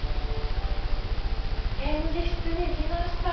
展示室に来ました。